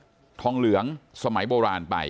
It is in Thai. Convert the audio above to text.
คือป้าไปดูครั้งแรกคิดว่าเขาเมาคือป้าไปดูครั้งแรกคิดว่าเขาเมา